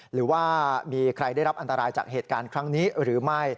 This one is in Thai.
หรือว่ามีใครได้รับอันตรายจากเหตุการณ์ครั้งนี้หรือไม่